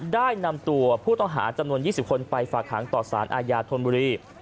ได้นำตัวผู้ต้องหาจำนวน๒๐คนไปฝากหางต่อสารอาญาธนบุรี